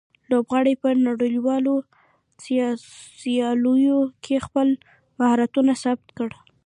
لوبغاړي په نړیوالو سیالیو کې خپل مهارتونه ثابت کړي.